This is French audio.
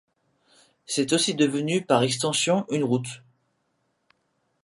C'est aussi devenu par extension une route.